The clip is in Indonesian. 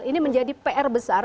ini menjadi pr besar